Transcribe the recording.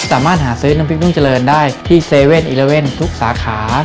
สามารถหาซื้อน้ำพริกรุ่งเจริญได้ที่๗๑๑ทุกสาขา